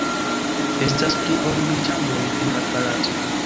Estas pli ol mil ĉambroj en la palaco.